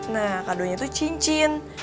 nah kadonya tuh cincin